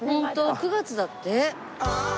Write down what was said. ９月だって。